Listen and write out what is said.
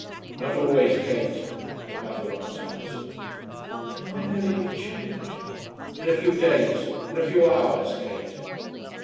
"Not always, Kate," the mother once answered. "And when will it be changed?" "In a few days, in a few hours, Kate."